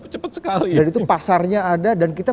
cepat sekali dan itu pasarnya ada dan kita